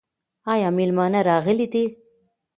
ایا مېلمانه راغلي دي؟